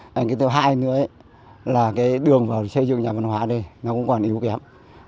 cái thứ hai nữa là cái đường vào xây dựng nhà văn hóa ở đây nó cũng còn yếu kém